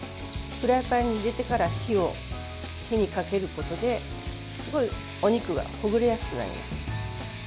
フライパンに入れてから火にかけることですごいお肉がほぐれやすくなります。